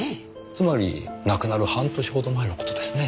つまり亡くなる半年ほど前の事ですね。